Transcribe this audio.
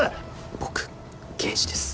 僕刑事です。